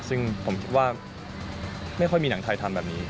ซึ่งผมคิดว่าไม่ค่อยมีหนังไทยทำแบบนี้